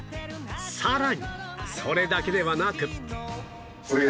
さらにそれだけではなく